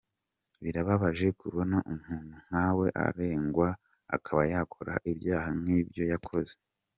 Birababaje kubona umuntu nkawe arengwa akaba yakora ibyaha nk’ibyo yakoze.